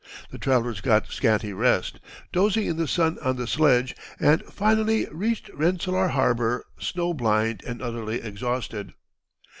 The travellers got scanty rest, dozing in the sun on the sledge, and finally reached Rensselaer Harbor snow blind and utterly exhausted.